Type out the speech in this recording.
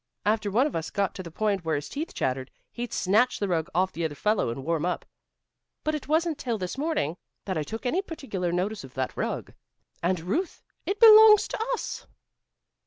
After one of us got to the point where his teeth chattered, he'd snatch the rug off the other fellow and warm up. But it wasn't till this morning that I took any particular notice of that rug. And Ruth, it belongs to us!"